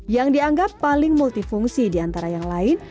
yang dianggap paling multifungsi diantara yang lain